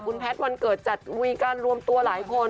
คุณแพทย์วันเกิดจัดคุยกันรวมตัวหลายคน